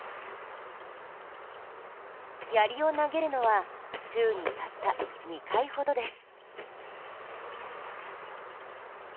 やりを投げるのは週にたった２回ほどです。